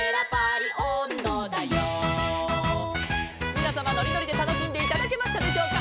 「みなさまのりのりでたのしんでいただけましたでしょうか」